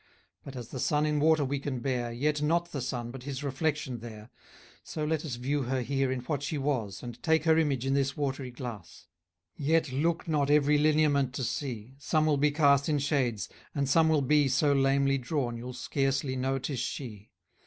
But as the sun in water we can bear, Yet not the sun, but his reflection there, So let us view her here in what she was, And take her image in this watery glass: Yet look not every lineament to see; } Some will be cast in shades, and some will be } So lamely drawn, you'll scarcely know 'tis she.